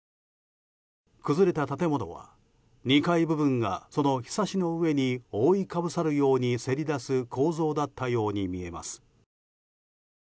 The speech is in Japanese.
崩れた建物は２階部分が、そのひさしの上に覆いかぶさるようにせり出す構造だったように見えます。